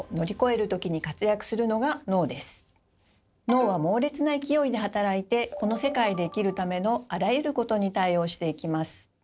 脳は猛烈な勢いで働いてこの世界で生きるためのあらゆることに対応していきます。